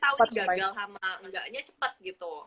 tau ini gagal sama enggaknya cepet gitu